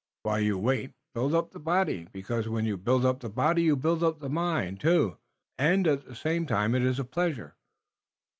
While you wait, build up the body, because when you build up the body you build up the mind, too, und at the same time it iss a pleasure."